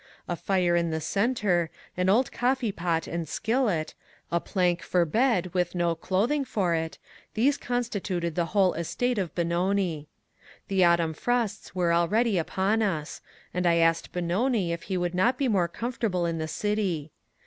A fire in the centre; an old coffee pot and skillet; a plank for bed with no clothing for it, — these constituted the whole estate of Benoni. The autumn frosts were already upon us, and I asked Benoni if he would not be more comfortable in the city.